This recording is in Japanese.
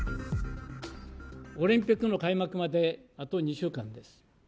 オリンピックの開幕まであと２週間です。